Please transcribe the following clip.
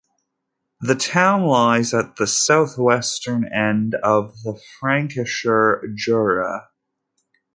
The town lies at the southwestern end of the Frankischer Jura.